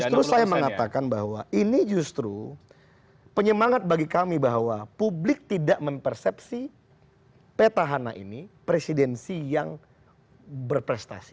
justru saya mengatakan bahwa ini justru penyemangat bagi kami bahwa publik tidak mempersepsi petahana ini presidensi yang berprestasi